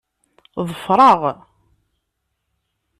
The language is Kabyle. Ḍfer-aɣ.